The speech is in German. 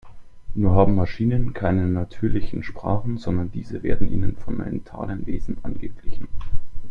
Nur haben Maschinen keine natürlichen Sprachen, sondern diese werden ihnen von mentalen Wesen angeglichen.